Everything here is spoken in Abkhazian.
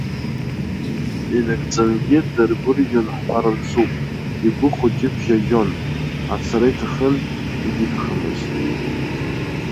Инагӡангьы даргәырӷьон ҳҳәар мцуп, игәы хәыҷы бжьажьон, ацара иҭахын, егьиҭахымызт.